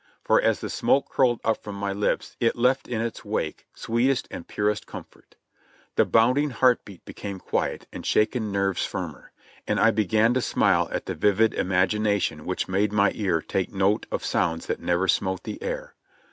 for as the smoke curled up from my lips it left in its wake sweet est and purest comfort. The bounding heart beat became quiet and shaken nerves firmer, and I began to smile at the vivid imag ination which made my ear take note of sounds that never smote the air.